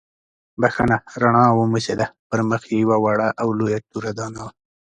بښنه رڼا وموسېده، پر مخ یې یوه وړه او لویه توره دانه وه.